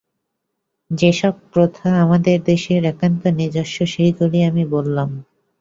যে-সব প্রথা আমাদের দেশের একান্ত নিজস্ব, সেইগুলি আমি বলিলাম।